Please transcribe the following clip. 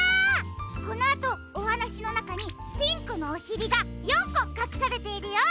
このあとおはなしのなかにピンクのおしりが４こかくされているよ。